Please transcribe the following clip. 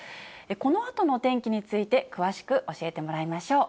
このあとの天気について、詳しく教えてもらいましょう。